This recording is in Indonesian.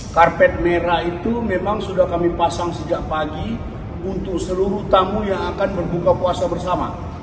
karpet merah itu memang sudah kami pasang sejak pagi untuk seluruh tamu yang akan berbuka puasa bersama